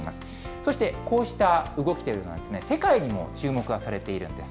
そしてこうした動きというのは世界にも注目はされているんです。